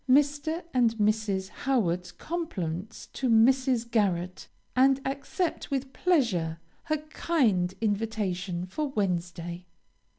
Mr. and Mrs. Howard's compliments to Mrs. Garret, and accept with pleasure her kind invitation for Wednesday.